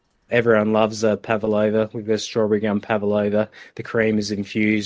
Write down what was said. semua orang suka pavlova dengan pavlova dengan gula serbuk